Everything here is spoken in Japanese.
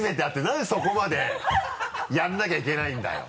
なんでそこまでやらなきゃいけないんだよ！